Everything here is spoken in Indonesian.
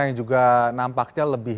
yang juga menurun yang diturunkan bukan